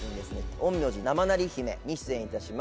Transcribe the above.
『陰陽師生成り姫』に出演いたします。